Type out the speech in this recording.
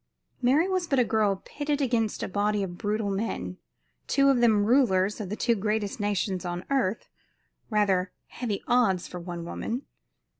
Mary was but a girl pitted against a body of brutal men, two of them rulers of the two greatest nations on earth rather heavy odds, for one woman.